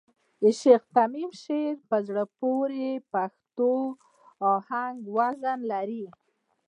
د شېخ تیمن شعر په زړه پوري پښتو آهنګ وزن لري.